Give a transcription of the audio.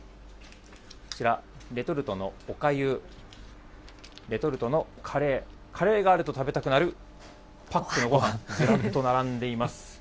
こちら、レトルトのおかゆ、レトルトのカレー、カレーがあると食べたくなるパックのごはん、ずらっと並んでいます。